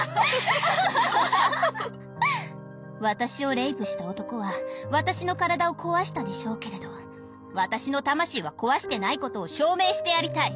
私をレイプした男は私の体を壊したでしょうけれど私の魂は壊してないことを証明してやりたい！